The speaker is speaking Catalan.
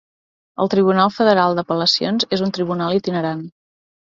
El Tribunal Federal d'Apel·lacions és un tribunal itinerant.